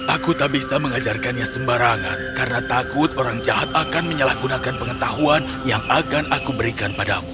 aku tak bisa mengajarkannya sembarangan karena takut orang jahat akan menyalahgunakan pengetahuan yang akan aku berikan padamu